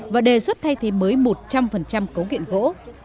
và đề xuất thay thế mới một trăm linh cấu kiện gỗ